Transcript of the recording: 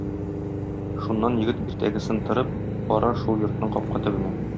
Шуннан егет иртәгесен торып, бара шул йортның капка төбенә.